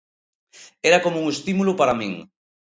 Era como un estímulo para min.